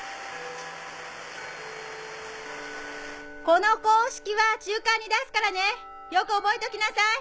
この公式は中間に出すからねよく覚えときなさい。